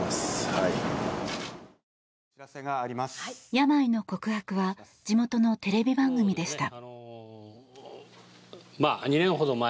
病の告白は地元のテレビ番組でした。